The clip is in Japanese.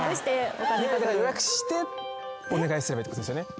予約してお願いすればいいってことですよね？